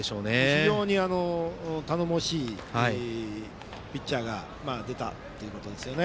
非常に頼もしいピッチャーが出たということですね。